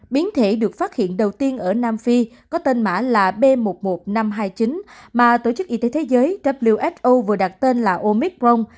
biến thể được phát hiện đầu tiên ở nam phi có tên mã là b một mươi một nghìn năm trăm hai mươi chín mà tổ chức y tế thế giới who vừa đặt tên là omicron